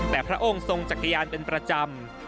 แต่พระองค์ทรงจักรยานเป็นประจำ